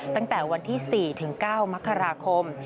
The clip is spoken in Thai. ตั้งแต่วันที่๔ถึง๙มกราคม